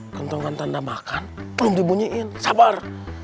gantungan tanda makan belum dibunyiin sabar